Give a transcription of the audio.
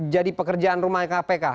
jadi pekerjaan rumah kpk